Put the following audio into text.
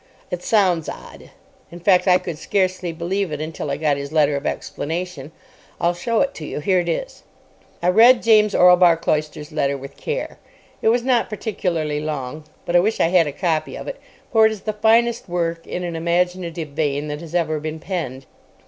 "It sounds odd; in fact, I could scarcely believe it until I got his letter of explanation. I'll show it to you. Here it is." I read James Orlebar Cloyster's letter with care. It was not particularly long, but I wish I had a copy of it; for it is the finest work in an imaginative vein that has ever been penned.